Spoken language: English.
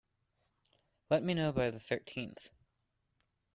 Let me know by the thirteenth.